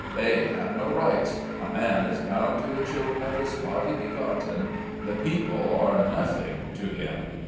They have no rights! A man is bound to the children of his body begotten; the people are nothing to him!